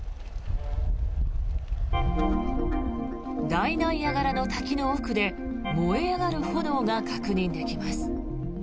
大ナイアガラの滝の奥で燃え上がる炎が確認できます。